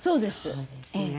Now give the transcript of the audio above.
そうですね。